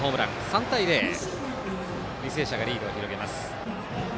３対０履正社がリードを広げます。